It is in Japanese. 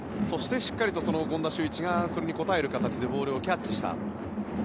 そして、しっかりと権田修一がそれに応える形でボールをキャッチした。